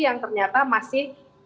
yang ternyata masih